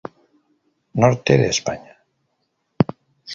Norte de España.